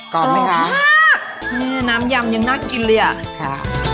กรอบไหมคะน้ำยำยังน่ากินเลยอ่ะค่ะ